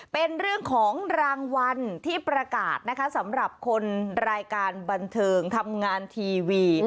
เป็นเรื่องของรางวัลที่ประกาศนะคะสำหรับคนรายการบันเทิงทำงานทีวี